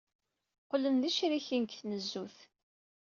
Qqlen d icriken deg tnezzut.